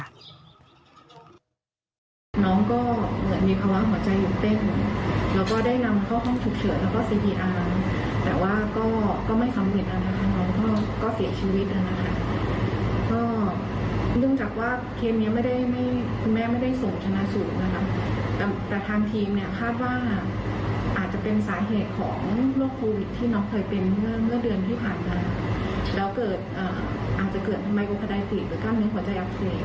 อาจจะเกิดไมโกคาไดติดหรือกล้ามเนื้อหัวใจอักเสบ